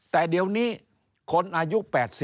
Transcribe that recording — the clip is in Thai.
แต่เดี๋ยวนี้คนอายุ๘๐